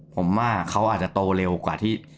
ผมว่าเขาอาจจะโตเร็วกว่าที่